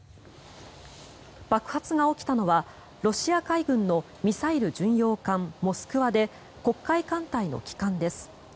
爆発が起きたのは、ロシア海軍のミサイル巡洋艦「モスクワ」で黒海艦隊の旗艦です。